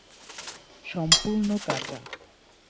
সম্পূর্ণ কাঁচা।